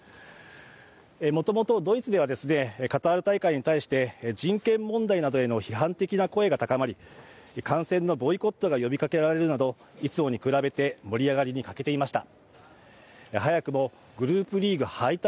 もともと、ドイツではカタール大会に対して人権問題などへの批判的な声が高まり、観戦のボイコットが呼びかけられるなど、いつもに比べて盛り上がりに欠けていました。